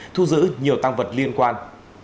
thu giữ nhiều tăng vật liên quan